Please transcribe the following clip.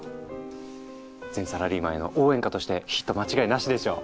全サラリーマンへの応援歌としてヒット間違いなしでしょう？